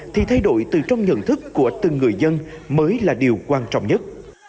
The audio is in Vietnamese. thì thay đổi từ trong nhận thức của từng người dân mới là điều quan trọng nhất